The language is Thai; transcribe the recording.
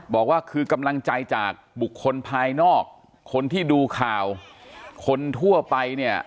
บอกว่าคือกำลังใจจากบุคคลภายนอกคนที่ดูข่าวคนทั่วไปเนี่ย